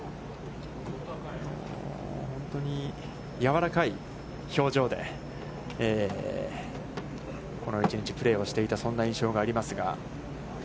本当にやわらかい表情で、この１日、プレーしていた、そんな印象がありますが。